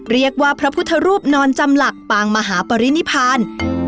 เรียกว่าพระพุทธรูปนอนจำหลักปางมหาปรินิพาน